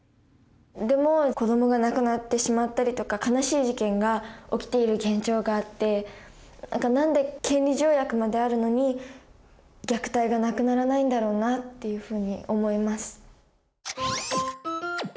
でも子どもが亡くなってしまったりとか悲しい事件が起きている現状があってなんで権利条約まであるのに虐待がなくならないんだろうなっていうふうに思います。